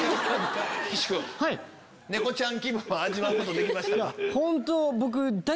岸君猫ちゃん気分を味わうことできましたか？